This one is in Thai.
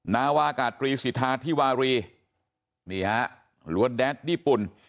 นาวากาศตรีสิทธาธิวารีหรือว่าแดดนิปุ่น